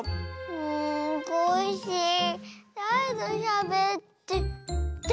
んコッシーだれとしゃべって。って